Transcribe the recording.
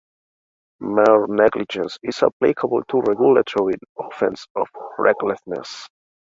Mere negligence is applicable to regulatory offences of recklessness.